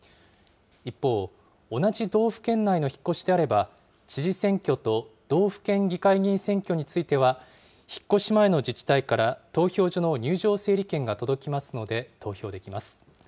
一方、同じ道府県内の引っ越しであれば、知事選挙と道府県議会議員選挙については、引っ越し前の自治体から投票所の入場整理券が届きますので投票できます。